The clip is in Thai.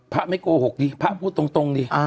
ไม่โกหกดิพระพูดตรงดิ